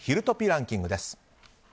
ランキングです。